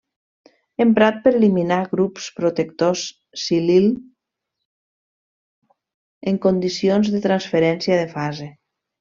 Emprat per eliminar grups protectors silil en condicions de transferència de fase.